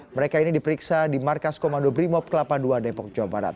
mereka ini diperiksa di markas komando brimob kelapa ii depok jawa barat